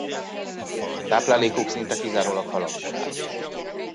Táplálékuk szinte kizárólag halakból áll.